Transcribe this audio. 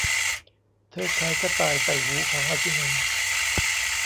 เธอขายกระต่ายใส่หูของราชินี